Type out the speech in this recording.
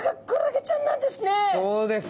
そうです！